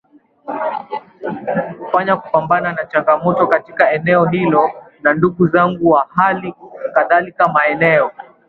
fanya kupambana na changamoto katika eneo hilo Na ndugu zangu wa hali kadhalika maeneo